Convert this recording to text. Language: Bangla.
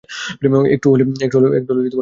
একটু হলে মরতে যাচ্ছিলাম!